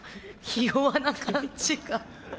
ひ弱な感じが。